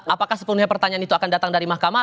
apakah sepenuhnya pertanyaan itu akan datang dari mahkamah